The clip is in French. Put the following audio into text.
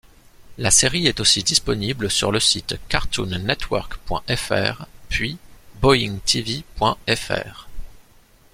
La série est aussi disponible sur le site cartoonnetwork.fr puis boingtv.fr.